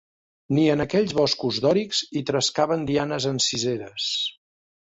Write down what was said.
Ni en aquells boscos dòrics hi trescaven Dianes enciseres